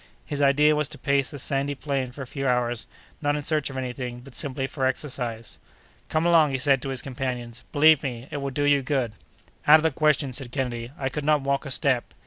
His idea was to pace the sandy plain for a few hours, not in search of any thing, but simply for exercise. "Come along!" he said to his companions; "believe me, it will do you good." "Out of the question!" said Kennedy; "I could not walk a step."